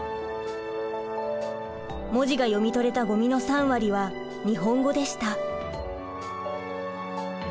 文字が読み取れたごみの３割は日本語でした。